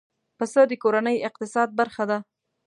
پسه د کورنۍ اقتصاد برخه ده.